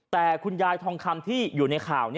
แต่คุณยายทองคำที่อยู่ในข่าว